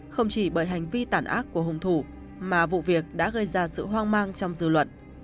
không chỉ bởi hành vi tản ác của hung thủ mà vụ việc đã gây ra sự hoang mang trong dư luận